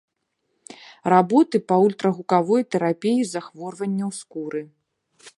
Работы па ультрагукавой тэрапіі захворванняў скуры.